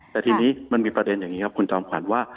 แต่ทีนี้มันมีประเด็นอย่างนี้ครับคุณจอมขวัญว่า